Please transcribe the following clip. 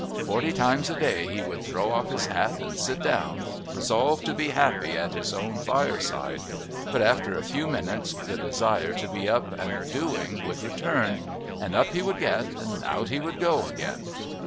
Forty times a day he would throw off his hat and sit down, resolved to be happy at his own fireside, but after a few minutes the desire to be up and doing would return, and up he would get and out he would go again.